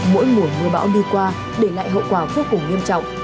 mỗi mùa mưa bão đi qua để lại hậu quả vô cùng nghiêm trọng